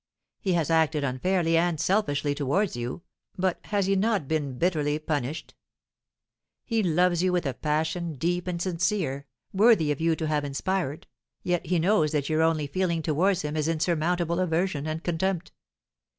He has acted unfairly and selfishly towards you, but has he not been bitterly punished? He loves you with a passion, deep and sincere, worthy of you to have inspired, yet he knows that your only feeling towards him is insurmountable aversion and contempt.